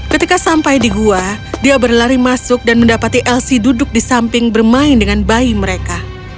ketika sampai di gua dia berlari masuk dan mendapati elsie duduk di samping bermain dengan bayi mereka